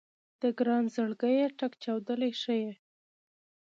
د ګران زړګيه ټک چاودلی ښه يې